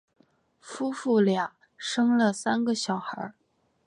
夫妇俩生了三个小孩。